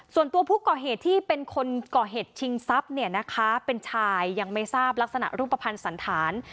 ส่วนตัวผู้ก่อเหตุที่เป็นคนก่อเหตุชิงทรัพย์เนี่ยนะคะเป็นชายยังไม่ทราบลักษณะรูปภัณฑ์สันธาร